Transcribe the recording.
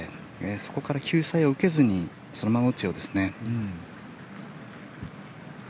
そこから救済を受けずにそのまま打つようですね。